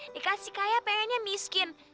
dikasih kaya pengennya miskin